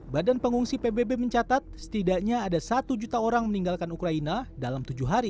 badan pengungsi pbb mencatat setidaknya ada satu juta orang meninggalkan ukraina dalam tujuh hari